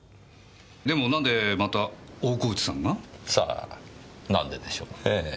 でもなんでまた大河内さんが？さぁなんででしょうねぇ。